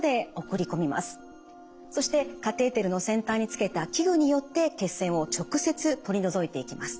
そしてカテーテルの先端につけた器具によって血栓を直接取り除いていきます。